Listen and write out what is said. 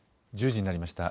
１０時になりました。